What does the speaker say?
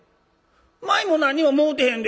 「舞も何も舞うてへんで。